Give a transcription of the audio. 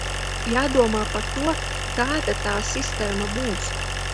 Jādomā par to, kāda tā sistēma būs.